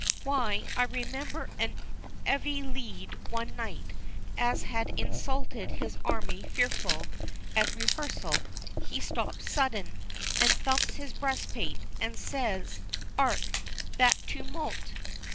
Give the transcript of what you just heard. Why, I remember a 'eavy lead one night, as had insulted his army fearful, at rehearsal; he stops sudden, and thumps his breastplate, and says, "'Ark, that toomult!"